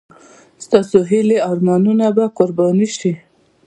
ستاسو هیلې او ارمانونه به قرباني شي.